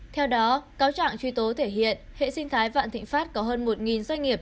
theo đó cáo trạng truy tố thể hiện hệ sinh thái vạn thịnh pháp có hơn một doanh nghiệp